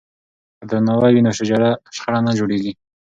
که درناوی وي نو شخړه نه جوړیږي.